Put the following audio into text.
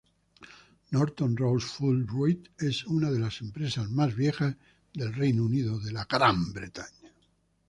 Norton Rose Fulbright es una de las empresas más viejas del Reino Unido.